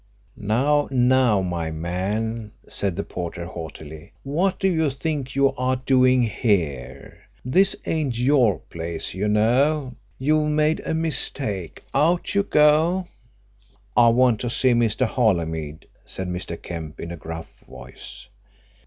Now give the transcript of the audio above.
"Now, now, my man," said the porter haughtily, "what do you think you are doing here? This ain't your place, you know. You've made a mistake. Out you go." "I want to see Mr. Holymead," said Mr. Kemp in a gruff voice.